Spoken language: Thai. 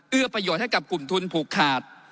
ประโยชน์ให้กับกลุ่มทุนผูกขาด